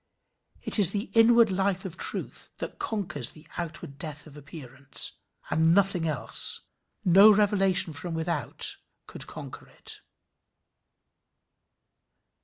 It is the inward life of truth that conquers the outward death of appearance; and nothing else, no revelation from without, could conquer it.